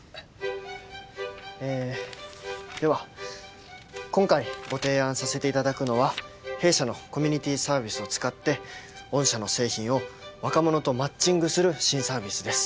ええでは今回ご提案させていただくのは弊社のコミュニティーサービスを使って御社の製品を若者とマッチングする新サービスです。